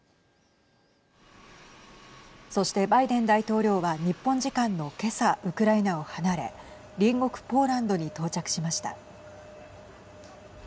そしてバイデン大統領は日本時間の今朝ウクライナを離れ隣国ポーランドに到着しました。